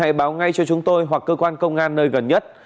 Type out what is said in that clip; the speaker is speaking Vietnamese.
hãy báo ngay cho chúng tôi hoặc cơ quan công an nơi gần nhất